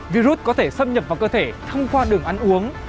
virus có thể xâm nhập vào cơ thể thông qua đường ăn uống